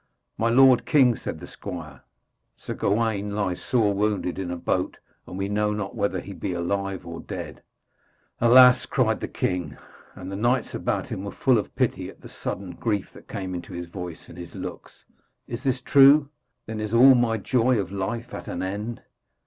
'My lord king,' said the squire, 'Sir Gawaine lies sore wounded in a boat, and we know not whether he be alive or dead.' 'Alas!' cried the king, and the knights about him were full of pity at the sudden grief that came into his voice and his looks, 'is this true? Then is all my joy of life at an end.'